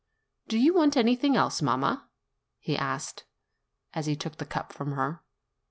"Do you want anything else, mamma?" he asked, as he took the cup from her.